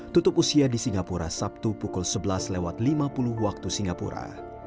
tutup usia di singapura sabtu pukul sebelas lewat lima puluh waktu singapura